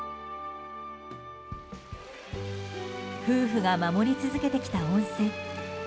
夫婦が守り続けてきた温泉。